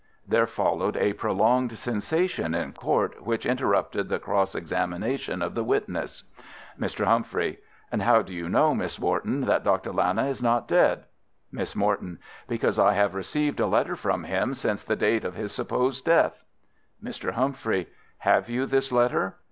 There followed a prolonged sensation in court, which interrupted the cross examination of the witness. Mr. Humphrey: And how do you know, Miss Morton, that Dr. Lana is not dead? Miss Morton: Because I have received a letter from him since the date of his supposed death. Mr. Humphrey: Have you this letter?